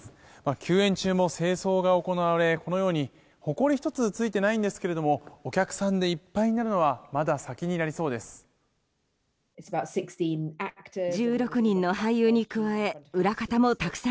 休演中も清掃が行われこのように、ほこり１つついていないんですがお客さんでいっぱいになるのはまだ先になりそうです。